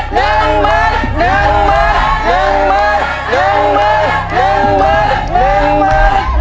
หนึ่งหมด